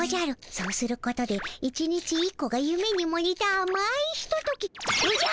そうすることで１日１個がゆめにもにたあまいひととき。